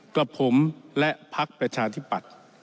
กับผมและพักประชาธิปัตย์